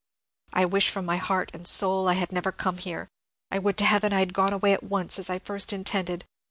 "I wish from my heart and soul I had never come here. I would to Heaven I had gone away at once, as I first intended.